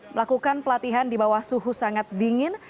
melakukan pelatihan di bawah suhu sangat dingin